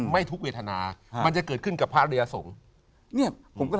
ไม่ทุกเวทนามันจะเกิดขึ้นกับพระเรือสงฆ์